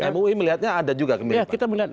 mui melihatnya ada juga